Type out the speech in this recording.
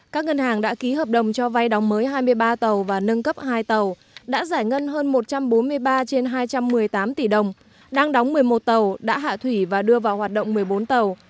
các ngân hàng đã ký hợp đồng cho vay đóng mới hai mươi ba tàu và nâng cấp hai tàu đã giải ngân hơn một trăm bốn mươi ba trên hai trăm một mươi tám tỷ đồng đang đóng một mươi một tàu đã hạ thủy và đưa vào hoạt động một mươi bốn tàu